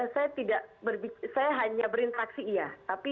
saya tidak saya hanya berinteraksi iya